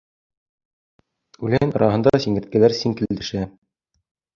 Үлән араһында сиңерткәләр сиңкелдәшә.